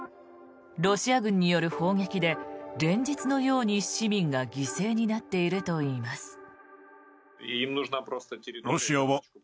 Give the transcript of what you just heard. ロシア軍による砲撃で連日のように市民が犠牲になっているといいます。